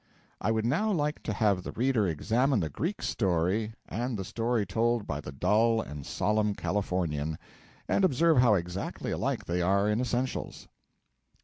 I would now like to have the reader examine the Greek story and the story told by the dull and solemn Californian, and observe how exactly alike they are in essentials.